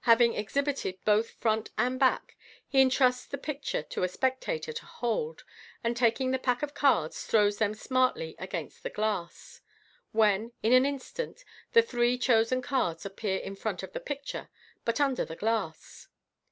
Having exhibited both front and back, he entrusts the picture to a spectator to hold, and taking the pack of cards, throws them smartly against the glass, when in an instant the three chosen cards appear in front of the picture, but under the glass.